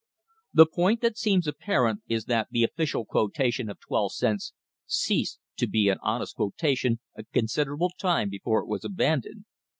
"The point that seems apparent is that the official quotation of 12 cents ceased to be an honest quotation a considerable time before it was abandoned.